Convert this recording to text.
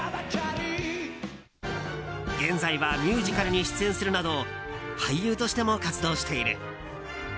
現在はミュージカルに出演するなど俳優としても活動している。